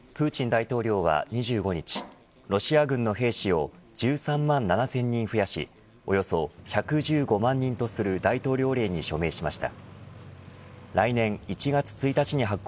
プーチン大統領は２５日ロシア軍の兵士を１３万７０００人増やしおよそ１１５万人とする大統領令に署名しました。